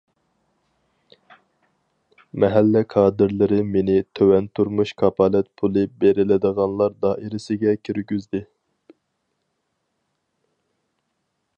مەھەللە كادىرلىرى مېنى تۆۋەن تۇرمۇش كاپالەت پۇلى بېرىلىدىغانلار دائىرىسىگە كىرگۈزدى.